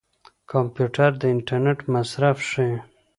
کمپيوټر د انټرنيټ مصرف ښيي.